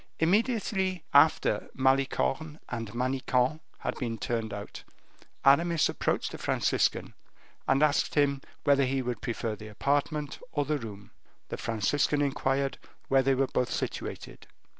Immediately after Malicorne and Manicamp had been turned out, Aramis approached the Franciscan, and asked him whether he would prefer the apartment or the room. The Franciscan inquired where they were both situated.